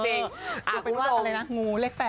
เกี่ยวว่าอะไรนะงูเลข๘